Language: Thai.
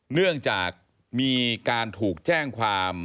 เนื่องจากมีการถูกแจ้งความ